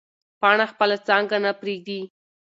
پاڼه خپله څانګه نه پرېږدي.